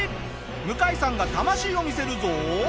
向井さんが魂を見せるぞ！